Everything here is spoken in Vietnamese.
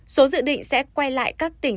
số dự định sẽ quay lại các tỉnh